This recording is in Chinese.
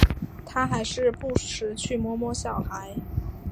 他还是不时去摸摸小孩